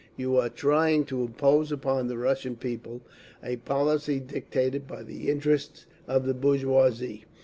You are trying to impose upon the Russian people a policy dictated by the interests of the bourgeoisie.